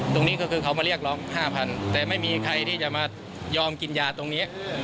ตรงนี้ก็คือเขามาเรียกร้อง๕๐๐แต่ไม่มีใครที่จะมายอมกินยาตรงนี้